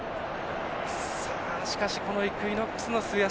しかしイクイノックスの末脚